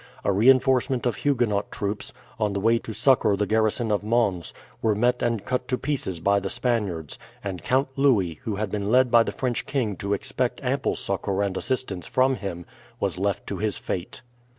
A reinforcement of Huguenot troops, on the way to succour the garrison of Mons, were met and cut to pieces by the Spaniards, and Count Louis, who had been led by the French King to expect ample succour and assistance from him, was left to his fate.